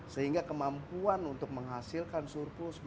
sehingga kemampuan untuk menghasilkan surplus